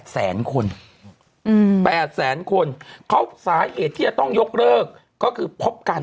แสนคนอืม๘แสนคนเขาสาเหตุที่จะต้องยกเลิกก็คือพบกัน